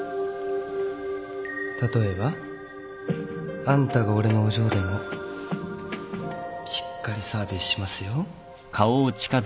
例えばあんたが俺のお嬢でもしっかりサービスしますよ。